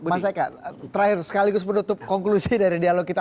mas eka terakhir sekaligus menutup konklusi dari dialog kita